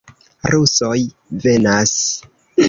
Rusoj venas!